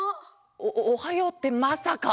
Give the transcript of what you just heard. おおはようってまさか！？